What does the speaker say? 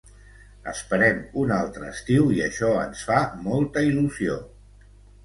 Esperem un altre estiu i això ens fa molta il·lusió.